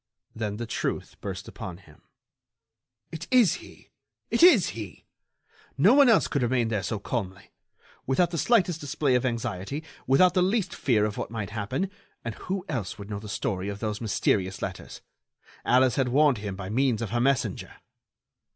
Then the truth burst upon him: "It is he! It is he! No one else could remain there so calmly, without the slightest display of anxiety, without the least fear of what might happen. And who else would know the story of those mysterious letters? Alice had warned him by means of her messenger."